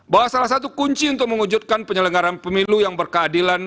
bahwa salah satu kunci untuk mewujudkan penyelenggaran pemilu yang berkeadilan